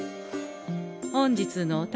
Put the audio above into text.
本日のお宝